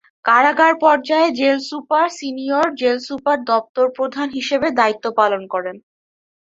কারাগার পর্যায়ে jail super senior jail super দপ্তর প্রধান হিসেবে দায়িত্ব পালন করেন।